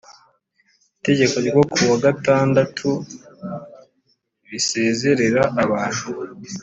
itegeko ryo kuwa gatandatu risezerera abantu